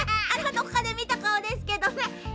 どこかでみたかおですけどね。